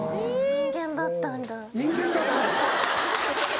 「人間だったんだ」。